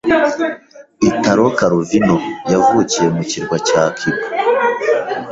Italo Calvino yavukiye ku kirwa cya Cuba